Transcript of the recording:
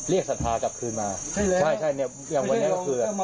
ได้เรียกสัภาจับคืนมาใช่เลยครับ